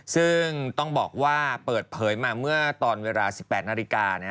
ซึ่งต้องบอกว่าเปิดเผยมาเมื่อตอนเวลา๑๘นาฬิกา